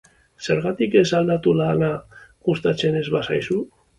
Zergatik ez aldatu lana gustatzen ez bazaizu?